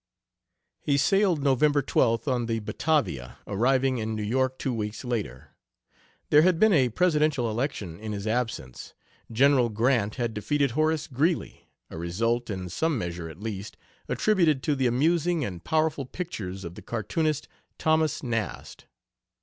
He sailed November 12th on the Batavia, arriving in New York two weeks later. There had been a presidential election in his absence. General Grant had defeated Horace Greeley, a result, in some measure at least, attributed to the amusing and powerful pictures of the cartoonist, Thomas Nast.